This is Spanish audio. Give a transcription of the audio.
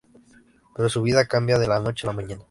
Pero su vida cambia de la noche a la mañana.